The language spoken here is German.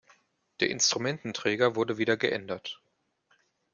Der Instrumententräger wurde wieder geändert.